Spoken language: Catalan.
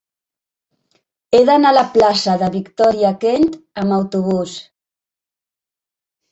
He d'anar a la plaça de Victòria Kent amb autobús.